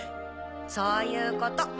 そういうこと！